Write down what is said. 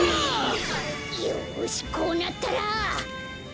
よしこうなったら。